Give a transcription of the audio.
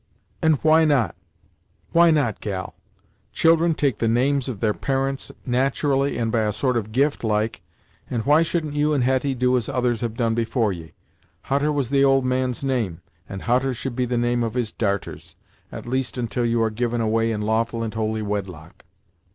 "And why not? Why not, gal? Children take the names of their parents, nat'rally, and by a sort of gift, like, and why shouldn't you and Hetty do as others have done afore ye? Hutter was the old man's name, and Hutter should be the name of his darters; at least until you are given away in lawful and holy wedlock."